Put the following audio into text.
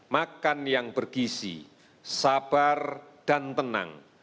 makan yang bergisi sabar dan tenang